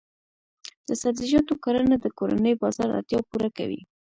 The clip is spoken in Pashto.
د سبزیجاتو کرنه د کورني بازار اړتیا پوره کوي.